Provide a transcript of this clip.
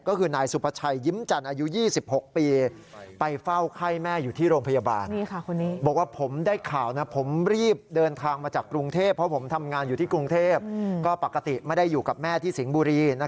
ก็คือนายสุพชัยยิ้มจันทร์อายุ๒๖ปี